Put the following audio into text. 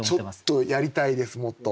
ちょっとやりたいですもっと。